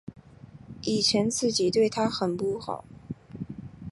以前自己对她很不好